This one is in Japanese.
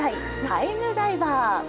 「タイムダイバー」。